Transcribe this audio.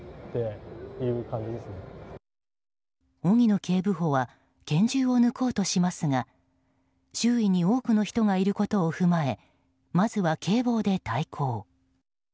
荻野警部補は拳銃を抜こうとしますが周囲に多くの人がいることを踏まえまずは警棒で対抗。